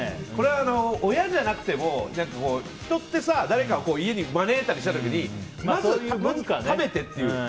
これは親じゃなくても人って誰かを家に招いたりした時にまず食べてっていう。